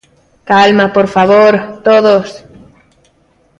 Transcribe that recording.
Calma, por favor, todos.